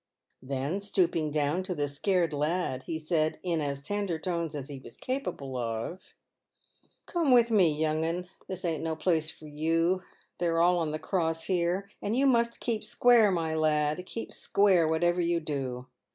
Then stooping down to the scared lad, he said, in as tender tones as he was capable of: " Come with me, young 'un, this ain't no place for you ; they're all on the cross here ; and you must keep square, my lad — keep square, whatever you do!"